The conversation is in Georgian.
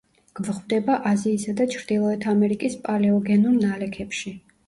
გვხვდება აზიისა და ჩრდილოეთ ამერიკის პალეოგენურ ნალექებში.